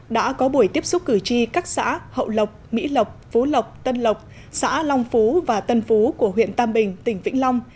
đã có buổi tiếp xúc cử tri các xã hậu lộc mỹ lộc phú lộc tân lộc xã long phú và tân phú của huyện tam bình tỉnh vĩnh long